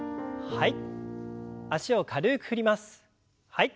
はい。